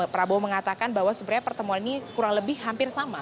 prabowo mengatakan bahwa sebenarnya pertemuan ini kurang lebih hampir sama